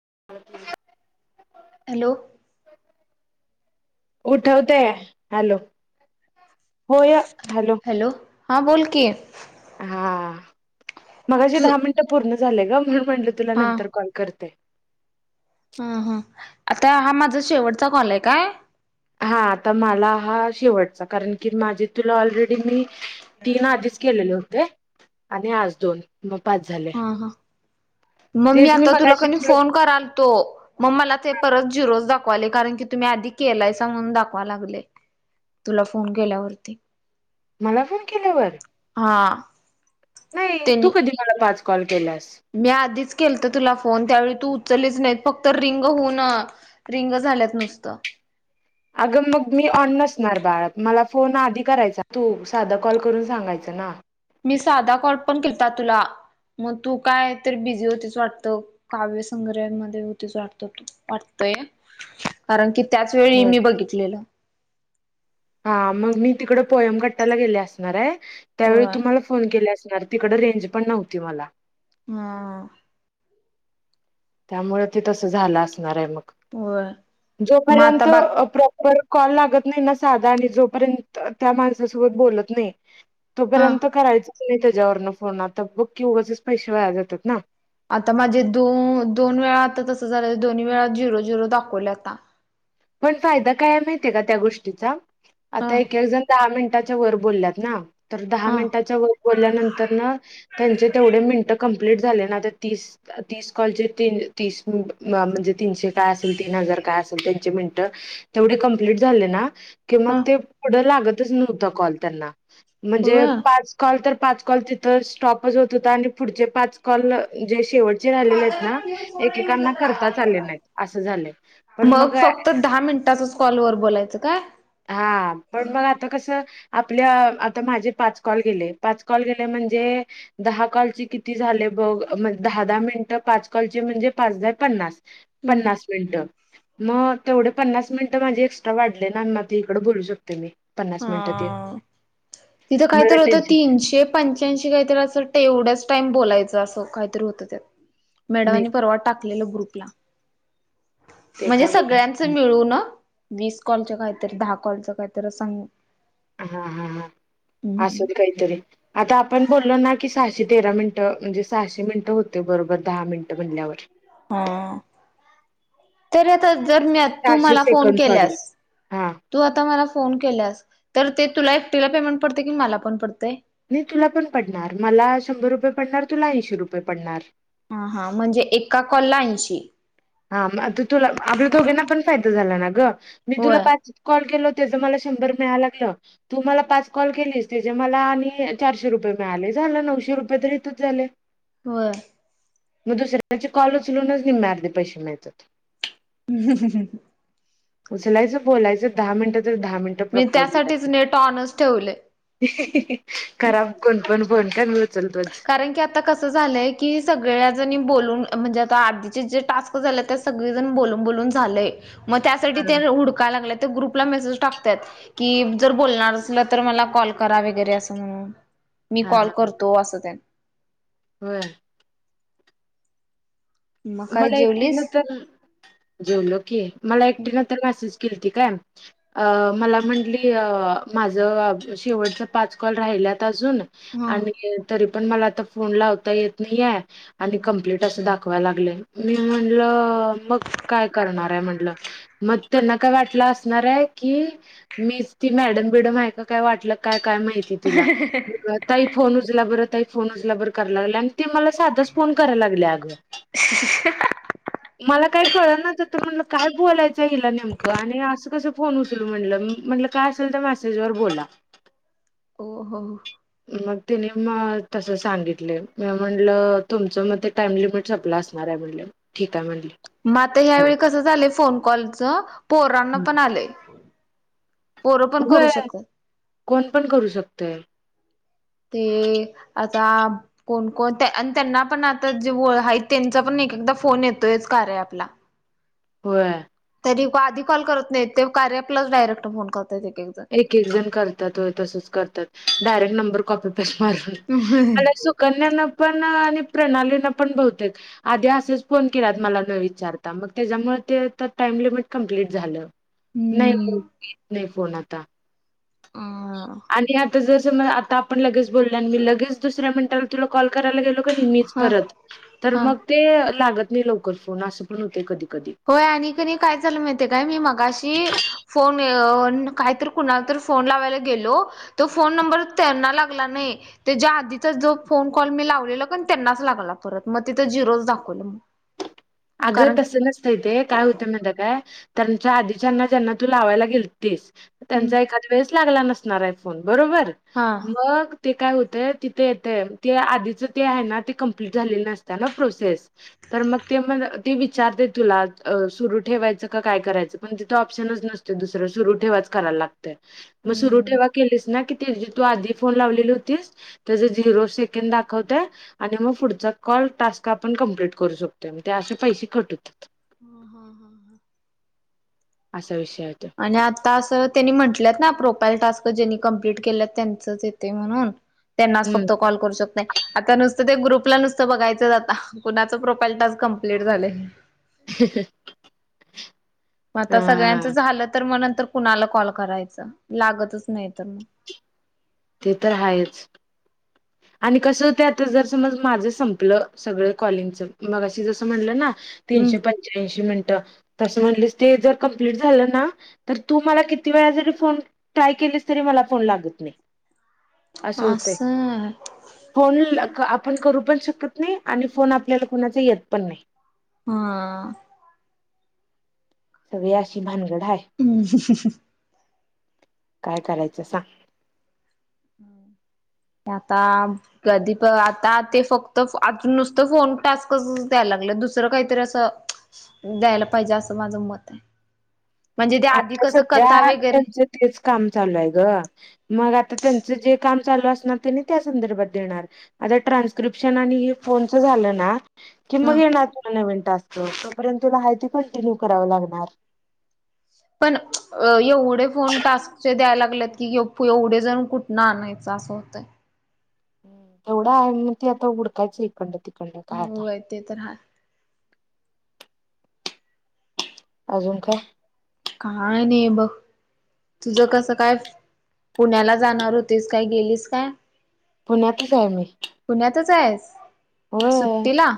Up hello उठवतेय hello होय hello हा बोल कि हा मगशीे तू दहा मिनटं पूर्ण झाले ग म्हणून म्हटलं तुला नंतर कॉल करते हम् हम आता हा माझा शेवटचा कॉल आहे काय हा आता मला हा शेवटचा कारण की माझी तुला ऑलरेडी मी तीन आधीच केलेले होते आणि आज दोन मग पाच झाले मगी मी आता तुला कनी फोन कराल तो मग मला ते परत झिरोज दा दावाले कारण की तुम्ही आधी केलाय म्हणून दाखवा लागले तुला फोन केल्यावरती मला फोन केल्यावर हा नाही तू त्यांनी कधी मला पाच कॉल केलास मी आधीच केल तर तुला फोन त्यावेळी तू उचललीच नाही फक्त रिंग होऊन रिंग झाल्यात नुसत अगं मग मी ऑन नसणार बाळ मला फोन आधी करायचा तू साधा कॉल करून सांगायचा ना मी साधा कॉल पण केलता तुला मग तू काय तर बिझी होतीच वाटत काव्यसंग्रहा मध्ये होतीच वाटतू वाट कारण की त्याच वेळी होय मी बघितलेलं हा मग मी तिकडे पोयम काायला गेले असणार आहे त्यावेळी होय तुम्हाला फोन के तिकड रेंज पण नव्हती मला हा त्यामुळे ते तस झालं असणार आहे मग होय मग आता जोपर्यंत बाक प्रॉपर कॉल लागत नाही ना साधा आणि जोपर्यंत त्या माणसासोबत बोलत नाही हा तोपर्यंत करायचच नाही त्याच्यावरन फोन आता बघ की उगचच पैसे व्हाया जातात ना आता माझे दोन दोन वेळा आता तसं झालं दोन्ही वेळा झिरो झिरो दाखवले आता पण फायदा काय माह का त्या गोष्टीचा हा आता एक जण दहा मिनटात वर बोल्यात ना तर दहा हा मिनिटाच्या वर बोलायनंतरण त्याचा तेवढ्या मीन्ट लेट झाले आहै ना तर तीस तीस कॉल चे तीन तीस म म्हणेजे तीनशे काय असल तीन हजार काय असेल त्यांचे मिनट तेवढे कमप्लीट झाले ना कि मग हा ते पुढं लागतच नव्हता कॉल त्यांना म्हणजे होय पाच कॉल तर पाच कॉल तिथं स्टॉपच होत होता आणि पुढचे पाच कॉल जे शेवटचे राहिलेले आहेत ना एकेकांना करताच आले नाहीत असं झालं पण मग तर दहा मिनिटाचच कॉलवरर बोलायचं काय हा पण मग आता कस आपल्या आता माझे पाच कॉल गेले पाच कॉल गेल्या म्हणजे दहा काॉल किती झाले बघ दहा दहा मिनट पाच कॉल म्हणजे पाचदा पन्नास हम्म पन्नास मिनिट मग तेवढे पन्नास मिनिट माझे एक्स्ट्रा वाढले ना इकडं बोलू शकते मी पन्नास मिनिटं ते हा तिथं काहीत मला होतं टेन्शन तीनशे पंच्याऐंशी काहीत असं वाटतं एवढंच बोय अस कात होत त्या नाही मॅडमनी परवा टा ग्रुपला ते म्हणजे काय सगळ्यांच बघ मिळून वीस कॉलच काहीतरी दहा कॉलचं काहीतरी सां हा हा ह हम्म. असून काहीतरी आता आपण बोललो ना की सहाशे तेरा मिनिटं म्हणजे सहाशे मिनिट होते बरोबर दहा मिनिटं म्हणल्यावर हा ते आता ी तू सहाशे मला फोन सेकंड सॉरी केल्यास हा तू आता मला फोन केस तुला एकटीला पेमंट पडते कि मला पण पडतय नाही तुला पण पडणार मला शंभर रुपये पडणार तुला ऐंशी रुपये पडणार हा हा म्हणजे एका कॉलला ऐशी हा आता तुला आपल्या दोघांना पण फायदा झाला ना ग मी तुला होय पाच कॉल केल त्या मला शंभर मिळा लाग तू मला पाच कॉल केलीस त्या मला आणि चारशे रुपये मिळालेस झालं नऊशे रुपये तररी इथूच झाले होर मग दुसऱ्यांचे कॉल उचलूनच निमम्या अर्धे पैसे मिळतात ह ह ह उचलायचं बोलायचं दहा मिनिटात दहा मिनटं मी प्रॉपर त्यासाठीच बलायच नेट ऑनच ठेवलंय. खराब कोण पण कोण पण कारण की आता कसं झालंय की सगळ्याजणी बोलून म्हणजे आधी चे जे टास्क झालेत त्यात सगळेजण बोलून बोलून झालंय त्यासाठी हा ते हुडकायला लागलेत ग्रुपला मेसेज टाकतात की जर बोलणार असलं तर मला कॉल करा वगैरे अस म्हणून हा हा ह वसदन [unintelligible] हम [unintelligible] मग काय मला एकटीन जेवलीस जर जेवल की मला एकटीन तर असंच कीर्ती काय मला म्हटली माझ शेवटचा पाच कॉल राहिल्यात जून हा आणि त [unintelligible] पण मला आता फोन लावता येत नाही आहे आणि कम्प्लीट असं दाखवायला लागले मी म्हटलं मग काय करणार आहे म्हंटलं मग त्यांना काय वाटलं असणार आहे की मीच ती मॅडम बिडम आहे का काय वाटलं काय काय माहिती तिला ताई फोन उचला बरं फोन उचला बर कराय लागला आणि ते मला साधाच फोन करायला लागले अगं मला काही कळ ना तर तर म्हणलं काय बोलायचं हिला नेमकं आणि असं कसं फोन उचलू म्हटलं म्हटलं काय असेल त्या मेसेजवर बोला ओ हो मग तने म तस सांगितले म्हटलं तुमच मग ते टाइम लिमिट संपला अस म्हण ठीकय म्हणली मग आता ह्यावेळी कसं झालंय फोन कॉलच पोरांना पण आलय होय कोण पण करू शकतोय ते आता कोण कोण त्यांना पण आता जे आहेत त्यांच पण एक एकदा फोन येतोयच कार्य ॲप ला होय तरी आधी कॉल करत नाही ते कार्य ॲपलाच डायरेक्ट फोन करत एक एक जण करतात होय तसच करतात डायरेक्ट नंबर कॉपी असो कन्या न पण आणि [unintelligible] प्रणाली पण बहुतेक आधी असेच फोन केलात मला न विचारता मग त्याच्यामुळे ते टाईम लिमिट कम्प्लीट झालं नाही हम्म नाही फोन आता अ आणि आता जर [unintelligible] आता आपण लगेच बोलोय मगेच दुसऱ्या मिनटाला तुला कॉल करायला गेलो कधी मीच हा परत तर हा मग ते लागत नाही लवकर फोन अस पण होतय कधी. कधी. होय आणि कनी काय झाल माहित हाय काय मी मगशी फोन काय तर कुणाला तर फोन लावायला गेलो तर फोन नंबर त्यांना लागला नाही ते ज्या आधीचा जो फोन कॉल मी लावले त्यांनाच लागला परत मग तिथ झिरोच दाखवलं. अगं कारण तसं नस तय ते काय होतंय माहित हाय काय त्यांच्या आधीच्याना ज्यांना तू लावायला गेलतीस. हम्म त्यांचा एखाद्या वेळेस लागला नसणार आहे फोन बरोबर हा मग ते काय होतय तिथे येत ते आधीच ते आहे ना ते कंप्लीट झालेली नसत ना प्रोसेस तर मग ते मग ते विचारते तुला सुरू ठेवायचं का काय करायचं पण तिथं ऑप्शनच नसतय दुसरं. सुरू ठेवाच करायला लागतंय मग सुर हम्म. ठेवा केलीस ना की ते जे आधी फोन लावलेली होतीस त्या झिरो सेकंड दाखवतय आणि मग पुढचा कॉल टास्क आपण कंप्लीट करू शकतोय असे पैसे कट होत्यात. हा हा हा. असा विषय आहे तो. आणि आता असं त्यांनी म्हंटलंत ना प्रोपाईल टास्क ज्यांनी कम्पलेट केले त्यांचं येतय म्हणून, त्यांनाच हम्म फक्त कॉल करू शकताय, आता नुसत ते ग्रुपला नुसतं बघायचं आता कोणाचा प्रोफाईल टास्क कंप्लीट झालाय. म आता सगळ्यांचं हा झालं तर म नंतर कुणाला कॉल करायच लागतच नाही तर ते तर हायच. आणि कसं आता जर समज माझ संपलं सगळ कॉलिंगच मगशी जसं म्हणलं ना. हम्म तीनशे पंच्याऐंशी मिनिटं. तसं म्हटली ते जर कंप्लीट झालं ना तर तू मला किती वेळा जरी फोन ट्राय केलीस तरी म मला फोन लागत नाही, अस होतय, असं आहे. फोन ला आपण करू पण शकत नाही आणि फोन आपल्याला कोणाचा येत पण नाही. हा. सगळे अशी भानगड आहे [unintelligible] काय करायचं सांग. आता कधी प आता ते फक्त अजून नुसतं फोन टास्क लागलय दुसरं काहीतरी अस द्यायला पाहिजे असं माझं मत हाय. आता सध्या वगैरे त्यांचं तेच काम चालू आहे ग मग आता त्यांच जे काम चालू असणार ते त्या संदर्भात देणार आता ट्रान्स्क्रिप्शन आणि हे फोनच झालं ना. कि मग ह येणार पुन्हा नवीन टास्क तोपर्यंत तुला हाय ते कंटिन्यू कराव लागणार. पण एवढे फोन टास्कचे द्यायला. की एवढे जाण कुठन आणायचं असं होतय. तेवढा आहे म ती आता उडकायच इकडं ती होय ते तर हाय. अजून काय? काय नय ब. तुझ कसं काय पुण्याला जाणार होतीस काय गेलीस काय? पुण्यातच आहे मी. सुट्टला.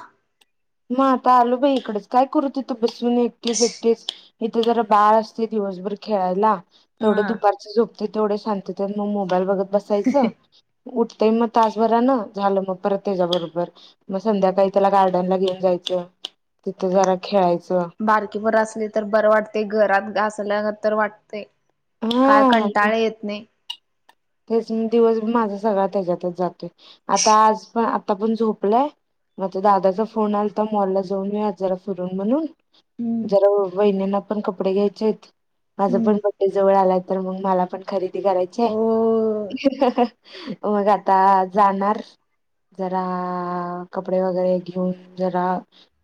म आता आलो बाई इकडच काय करू तथं बसून एकटीच एकटीच. इथे जरा बाळ असतय दिवसभर खेळायला तेवढं हा. दुपारचं झोप तय तेवढ शांततेन मग मोबाईल बघत बसायचं. उठतंय मग तासभरा न झालं मग परत त्याच्याबरोबर मग संध्याकाळी त्याला गार्डनला घेऊ न जायचं, तिथं जरा खेळायचं. बारकी पोर असली तर बरं वाटतय घरात असल्यागत तर वाटतय. काय हा कंटाळा येत नाही. तेच दिवस माझा सगळा त्याच्यातच जातोय आता आज पण आता पण झोपलाय मग दादाचा फोन आला तर मॉल ला जाऊन ये आ जरा फिरून म्हणून हम्म जरा वहिनीं ना पण कपडे घ्यायचेत माझं हम्म पण बअडे जवळ आलाय तर मग मला पण खरेदी करायचीय. हो. मग आता जाणार. जरा कपडे वगैरे घेऊन जरा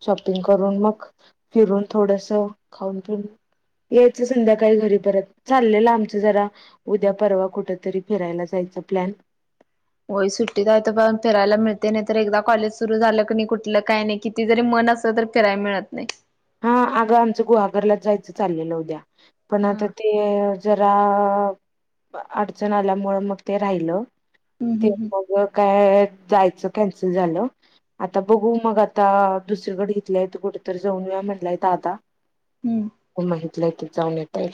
शॉपिंग करून मग फिरून थोडस खाऊन पिऊन यायचं संध्याकाळी घरी परत चाललेलं आमच्या जरा उद्या परवा कुठ तरी फिरायला जायचा प्लॅन होई सुट्टीत हाय तोपर्यंत फिरायला मिळते नाही तर एकदा कॉलेज सुरू झालं क नाही कुठलं काही नाही किती जरी म [unintelligible] फिरायला मिळत नाही. हा आगं आमचं गुहागरला जायचं चाललेलं उद्या पण आता हा. ते जरा अ अडचण आल्यामुळ मग ते राहिलं हम्म ते हम्म हम्म मग काय जायच कॅन्सल झालं. आता बघू मग आता दुसरीकडे इथल्या इथं कुठ तर जाऊन म्हटलंय दादा हम्म. [unintelligible] तुला इथं जाऊन येत आहे.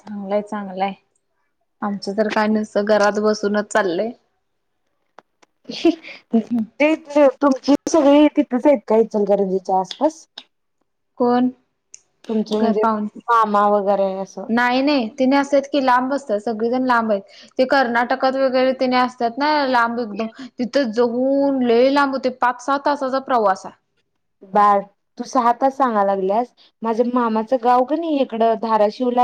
चांगलंय चांगलंय. आमचं तर काय नसतं घरात बसूनच चाललंय. ते तुमची सगळे तिथंच आहेत काय इचलकरंजीच्या आसपास. कोण तुमचं घर म्हणजे पाहून मामा वगैरे असं नाही नाही तिने असतात की लांब असतात सगळेजण लांब आहेत ते कर्नाटकात वगैरे तिने असतात. नाही लांब एकदम तिथं जाऊन लय लांब होते पाच सहा तासाचा प्रवास आहे. ब तू सहा तास सांगा लागल्यास माझ्या मामाचं गाव का नाही इकडं धाराशिवली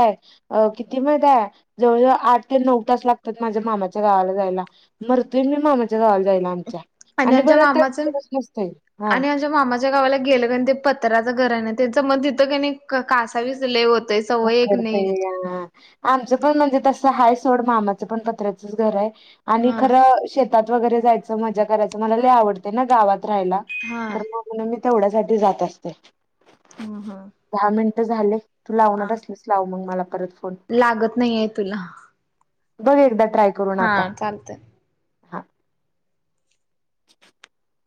किती माहित आहे जवळजवळ आठ ते नऊ तास लागतात माझ्या मामाच्या गावाला जायला. मरतूय मी मामाच्या गावाला जायला आमच्या आणि आमच्या परत तो मामाचं दिवस येत नसतोय हा. गेलंण ते पत्र्याचं घर आहे ना त्यांच मग तिथं का कासाविस लय होतं. उकडतंया. आमचं पण म्हणजे तसं आहे सोड मामाचं पण पत्र्याचंच घर आहे आणि हा खरं शेत शेतात वगैरे जायचं मजा करायचं मला आवडते ना गावात राहायला हा तर म्हणून मी तेवढ्यासाठी जात असते. हम् हा आता झालंय तू लावणार असलीस लाव मग मला परत. फोन लागत नाहीये तुला. बघ एकदा ट्राय करून हा आता चालतंय. हा. [inaudible]